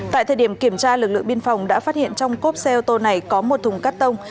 tại thời điểm kiểm tra lực lượng biên phòng đã phát hiện trong cốp xe ô tô này có một thùng cắt tông